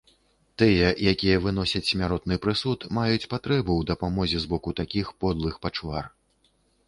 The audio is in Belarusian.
Тыя, якія выносяць смяротны прысуд, маюць патрэбу ў дапамозе з боку такіх подлых пачвар.